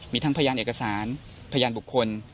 มีทั้งพยานเอกสารพยานบุคคล